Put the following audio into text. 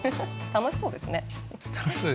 楽しそうですね。